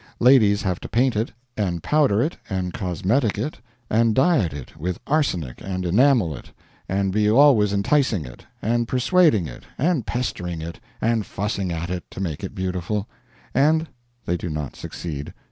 Ladies have to paint it, and powder it, and cosmetic it, and diet it with arsenic, and enamel it, and be always enticing it, and persuading it, and pestering it, and fussing at it, to make it beautiful; and they do not succeed.